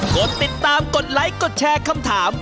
กดติดตามกดไลค์กดแชร์คำถาม